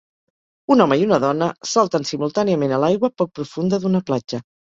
Un home i una dona salten simultàniament a l'aigua poc profunda d'una platja.